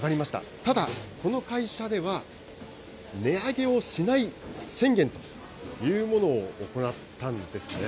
ただ、この会社では値上げをしない宣言というものを行ったんですね。